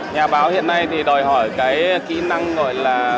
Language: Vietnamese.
nhà báo hiện nay thì đòi hỏi cái kỹ năng gọi là